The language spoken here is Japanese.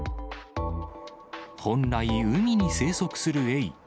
本来、海に生息するエイ。